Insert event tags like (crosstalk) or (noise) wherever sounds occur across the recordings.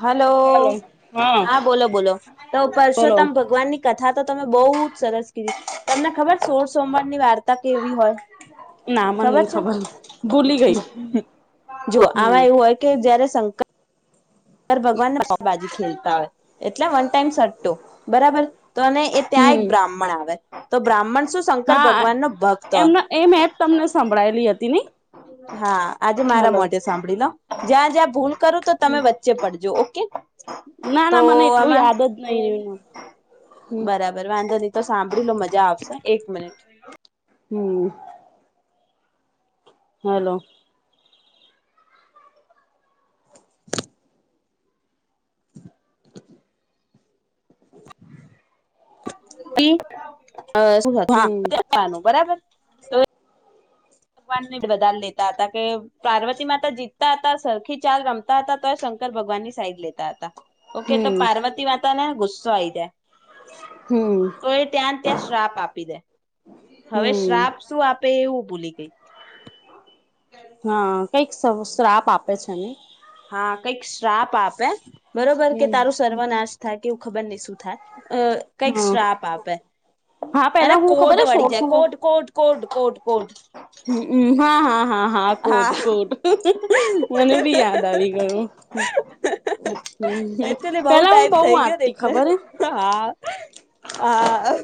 Hello. હા, બોલો બોલો. તો બોલો પરસોત્તમ ભગવાન ની કથા તો તમે બહુ જ સરસ કીધી. તમને ખબર સોળ સોમવાર ની વાર્તા કેવી હોય. ના મને ખબર નહી છે. ભૂલી ગઈ જો હમ આમાં એવું હોય કે જયારે શંકર સર, ભગવાનને પાાવભાજી ખેલતા હોય એટલે વન ટાઈમ સ્ટો બરાબર. તો, અને એ ત્યાં એક હમ બ્રાહ્મણ આવે, તો બ્રાહ્મણ શું શંકર હા ભગવાન નો ભક્ત હતો? એમને એ મેપ તમને સંભળાયેલી હતી નઈ હા, આજે મારા હલો મોઢે સાંભળી લાવ. જ્યાં જ્યાં ભૂલ કરું, તો તમે વચ્ચે પડજો. ઓકે. ના તો ના મને એટલું આમાં યાદ જ નહીિ એનું હ બરાબર વાંધો નહી તો સાંભળી લો મજા આવશે એક મિનિટ હમ હલો હમ હાનું (unintelligible) બરાબર ભગવાન ને બદા લેતા હતા કે પાર્વતી માતા જીતતા હતા સરખી ચાલ રમતા હતા તો શંકર ભગવાન ની સાઈડ લેતા હતા ઓકે તો હમ પાર્વતી વાતા ને ગુસ્સો આવી જાય હમ તો એ ત્યાં ત્યાં શ્રાપ આપી દે હવે હમ શ્રાપ શું આપ એવું ભૂલી ગઈ હા કઈક શ્રાપ આપે છે નને શાપ આપે બરોબર કે તારું સર્વનાશ થાય કે એવું ખબર નહી શું થાય અ કઈક હા સ્ટ્રાપ આપે હા એને પેલા હું કોટ ખબર વાળી શોર જાય કોટ કોટ કોટ કોટ કોટ હ હા હા હા હા કોટ કોટ મને બી યાદ આવી ગયું હમ એટલે ને બઉ પેલા હું ટાઈપ બહુ થઈ ગયોને વાંચતી એટલે ખબર હે હા હા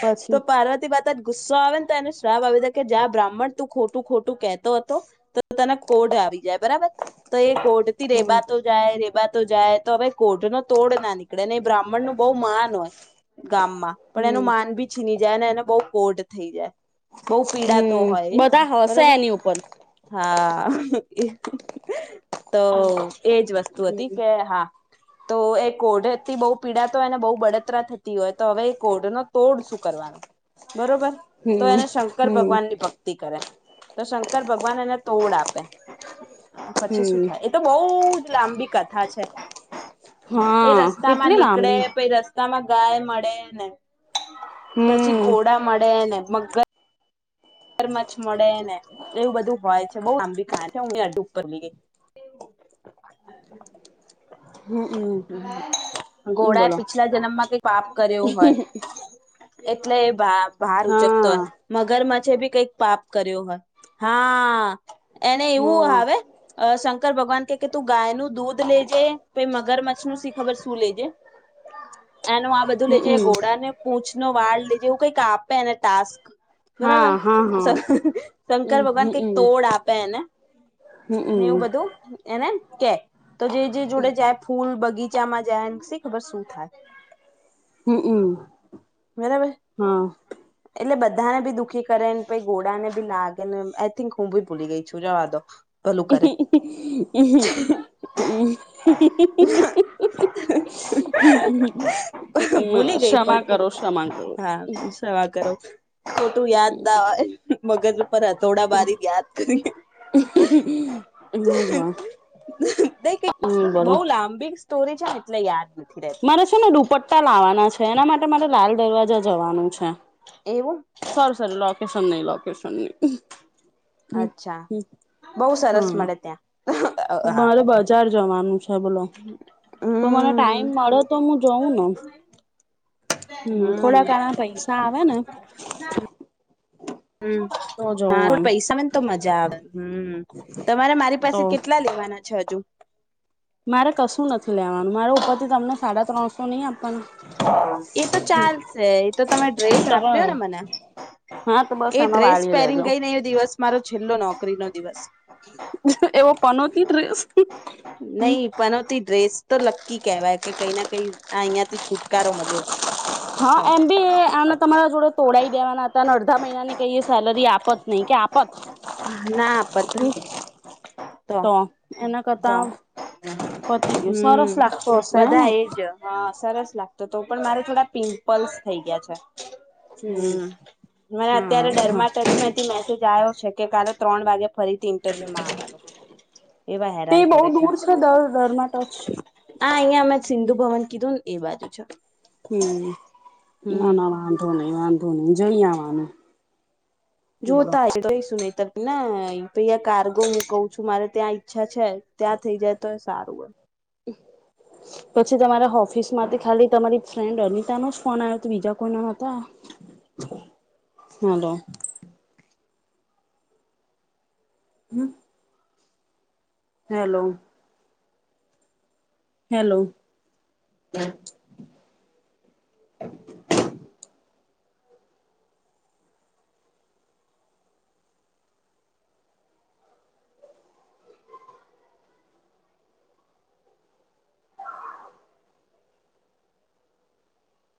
પછી જ ગુસ્સો આવે ને તો એને શ્રાપ આવી કે જ્યાં બ્રાહ્મણ તું ખોટું ખોટું કેહેતો હતો તો તને કોડ આવી જાય બરાબર તો એ કોડ થી હમ રેબાતો જાય રેબાતો જાય તો હવે કોઢ ન તોડ ના નીકળે ને એ બ્રાહ્મણ નું બહુ માન હોય ગામમાં પણ હમ એનું માન ભી છીની જાય એને બહુ કોડ થઈ જાય બઉ પીડા તો હમ હોય બધા હશે બરોબર એની ઉપર હા તો એજ વસ્તુ હતી હમ કે હા તો એ કોડથી બહુ પીડા તો એને બહુ બળતરા થતી હોય તો હવે કોડ ન તોડ શું કરવાનો બરોબર તો એને શંકર હમ ભગવાન ની ભક્તિ કરે તો શંકર ભગવાન એને તોડ આપે પછી શું હમ થાય એ તો બઉ જ લાંબી કથા છે એ હા રસ્તામાં કેટલી નીકળે લાંબી પ રસ્તામાં ગાય મળે ને પછી હમ ઘોડા મળેને મગર મગર મચ્છળે ને એવું બધું હોય છે બઉ લાંબી કહાનિ છે (inaudible) હમ ઘોડા એ બોલો પીછલા જન્મમાં કઈ પાપ કર્યો હોય એટલે એ ભાર ઉચકતો હા હોય મગરમાં ભી કઈક પાપ કર્યો હોય હા એને એવું હા આવે ભગવાન કે કે તું ગાય નુ દૂધ લે તો એ મગર મચ્છ નું શી ખબર શું લેજે એનું આ બધું લેજે હમમ ઘોડાને પૂંછ નો વાળ લેજે એવું કઈક આપેને ટાસ્ક હા બરાબર હા હા શંકર હમ ભગવાન કઈક હમ તોડ આ એને ને હમમ એવું બધું એને કે તો જે જે જોડે જાય ફૂલ બગીચામાં જાય છેશી ખબર શું થાય હમ અમ બરાબર એટલે બધા બધાને ભી દુખ કરે ને પ ઘોડા ને ભી લાગે ને આઈ થિંક હું ભી ભૂલી ગઈ છું જવા દો ભલું કરે (unintelligible) (unintelligible) ભૂલી ગઈ પણ ક્ષમા કરો ક્ષમા કરો હા સવા કરો ખોટું યાદ ના હોય મગજ પર થોડા બારી યાદ કરી હમ હા નઈ કઈક હમ બોલો બહુ લાંબી સ્ટોરી છે એટલે યાદ નથી રહેતી મારે છે ને દુપટ્ટા લાવવાના છે એના માટે મારે લાલ દરવાજા જવાનું છે એવું સારું સારું લોકેશન નહી લોકેશન નહી અચ્છા બહુ સરસ હા મળે ત્યાં હા મારે બજાર જવાનું છે બોલો પણ મને હમ ટાઈમ મળે તો હું જઉં ને હમ થોડા ઘણા પૈસા આવે ને હમ તો જવું હા આમ પૈસા ને તો મજા આવે હમ તમારે મારી તો પાસે કેટલા લેવાના છાજુ મારે કશું નથી લેવાનું મારો ઉપરથી તમને સાડા ત્રણસો નહી આપવાના એતો ચાલશે એતો તમે ડ્રેસ આપ્યો આપવાના ને મને હા તો બસ એ એમાં ડ્રેસ વાળી પહેરીને લેજો ગઈને એ દિવસ મારો છેલ્લો નોકરીનો દિવસ એવો પનોતી ડ્રેસ હમ નહી પનોતી ડ્રેસ તો લક્કી કેહેવાય કે કઈ ના કઈ આ અહિયાં થી છુટકારો મળ્યો હા તો એમ બી આમને તમારા જોડે તોડાવ દેવાના હતા અને અડધા મહિના ની કઈ સેલરી આપત નહી કે આપત હ ના આપત તો એના કરતા પતી ગયું હમ સરસ લાગતો હશે હેને બધા એજ હ સરસ લાગતી તો તો પણ મારે થોડા પિમ્પલ્સ થઇ ગયા છે હમ મને અત્યારે હા ડરમાં ટચમાંથી મેસેજ આવ્યો છે કે ત્રણ વાગે ફરીથી ઇન્ટરવ્યુ માં આવવાનું એવા તે હેરાન બહુ કરે છે દૂર હા દર દરમાં ટચ અહિયાં અમે સિંધુ ભવન કીધું ને એ બાજુ છે હમ ના હમ્મ. ના વાંધો નઈ વાંધો નઈિ જઈ આવાનું જોતા એ તો સુ ને પૈયા કાર્ગો હું કઉ છું મારે ત્યાં ઈચ્છા છે ત્યાં થઈ જાય તો એ સારું હો હમ પછી તમારા ઓફિસ માંથી ખાલી તમારી ફ્રેન્ડ અનિતા નો જ ફોન આવ્યો હતો બીજા કોઈ નાતા હાલો હમ હેલો હેલો